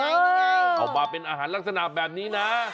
เอามาเป็นอาหารลักษณะแบบนี้นะ